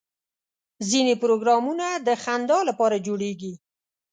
ځینې پروګرامونه د خندا لپاره جوړېږي.